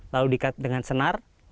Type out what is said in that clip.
lalu diikatkan dengan senar